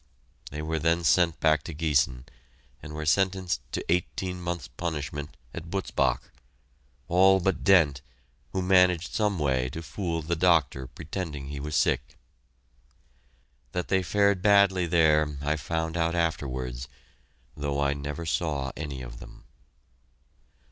They were then sent back to Giessen and sentenced to eighteen months' punishment at Butzbach all but Dent, who managed some way to fool the doctor pretending he was sick! That they fared badly there, I found out afterwards, though I never saw any of them.